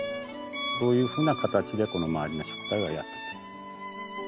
そういうふうな形でこの周りの植栽はやって。